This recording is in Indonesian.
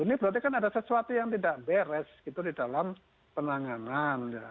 ini berarti kan ada sesuatu yang tidak beres gitu di dalam penanganan ya